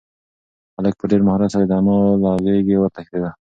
هلک په ډېر مهارت سره د انا له غېږې وتښتېد.